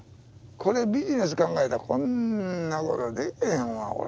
これビジネス考えたらこんなことでけへんわこれ。